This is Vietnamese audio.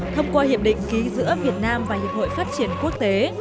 thông qua hiệp định ký giữa việt nam và hiệp hội phát triển quốc tế